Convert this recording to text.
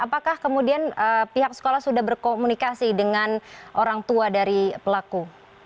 apakah kemudian pihak sekolah sudah berkomunikasi dengan orang tua dari pelaku